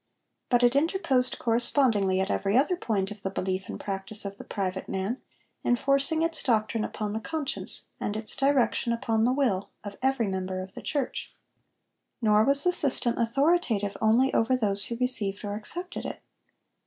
But it interposed correspondingly at every other point of the belief and practice of the private man, enforcing its doctrine upon the conscience, and its direction upon the will, of every member of the church. Nor was the system authoritative only over those who received or accepted it.